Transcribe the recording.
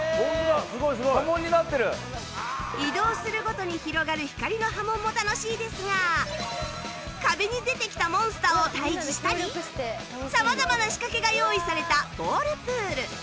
移動するごとに広がる光の波紋も楽しいですが壁に出てきたモンスターを退治したり様々な仕掛けが用意されたボールプール